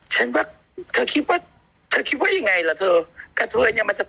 ฉันว่าเธอคิดว่าเธอคิดว่ายังไงล่ะเธอกับเธอเนี้ยมันจะ